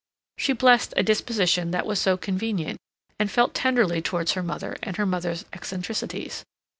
She blessed a disposition that was so convenient, and felt tenderly towards her mother and her mother's eccentricities.